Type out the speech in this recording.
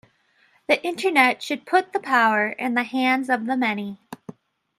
The Internet should put the power in the hands of the many.